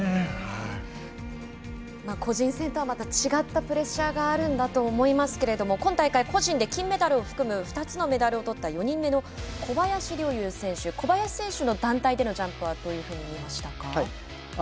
個人戦とはまた違ったプレッシャーがあるんだと思いますけど今大会、個人で金メダルを含む２つのメダルを取った４人目の小林陵侑選手小林選手の団体でのジャンプはどういうふうに見ましたか？